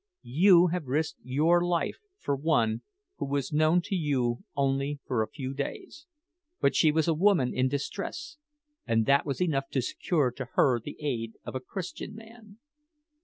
You have risked your life for one who was known to you only for a few days. But she was a woman in distress, and that was enough to secure to her the aid of a Christian man.